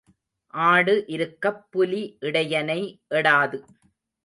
ஆடு இருக்கப் புலி இடையனை எடாது.